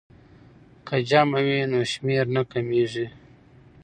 که جمع وي نو شمېر نه کمیږي.